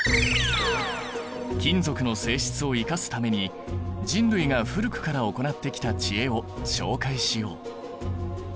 金属の性質を生かすために人類が古くから行ってきた知恵を紹介しよう。